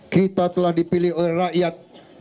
kita telah dipilih oleh rakyat